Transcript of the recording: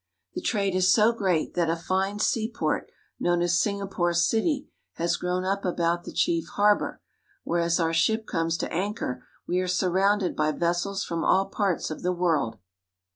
The trade is so great that a fine seaport, known as Singapore City, has grown up about the chief harbor, where as our ship comes to anchor we are surrounded by vessels from all parts of the world.